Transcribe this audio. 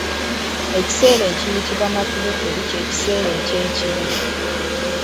Ekiseera ekiyitibwa Matulutulu ky'ekiseera ekyekiro.